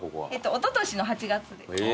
おととしの８月です。